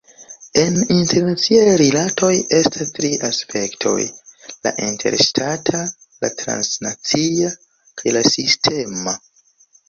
En internaciaj rilatoj estas tri aspektoj: la interŝtata, la transnacia kaj la sistema.